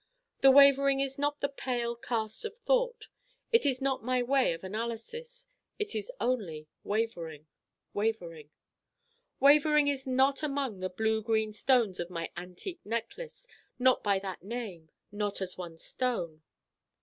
The Wavering is not the pale cast of thought: it is not my way of analysis: it is only Wavering Wavering Wavering is not among the blue green Stones in my antique necklace: not by that name not as one Stone.